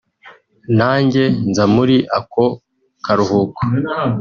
nanjye nza muri ako karuhuko